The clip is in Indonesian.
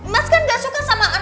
mas kan gak suka sama anak